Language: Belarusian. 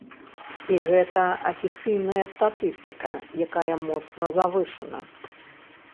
І гэта афіцыйная статыстыка, якая моцна завышана.